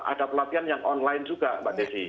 ada pelatihan yang online juga mbak desi